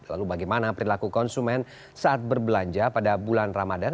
lalu bagaimana perilaku konsumen saat berbelanja pada bulan ramadan